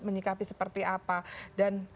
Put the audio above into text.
menyikapi seperti apa dan